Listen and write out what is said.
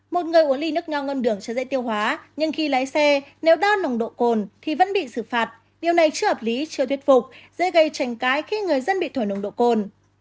một người uống ly nước nhau ngân đường cho dễ tiêu hóa nhưng khi lấy xe nếu đo nông độ côn thì vẫn bị xử phạt điều này chưa hợp lý chưa thuyết phục dễ gây tranh cái khi người dân bị thổi nông độ côn